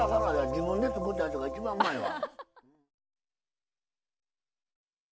自分で作ったやつが一番うまいわ。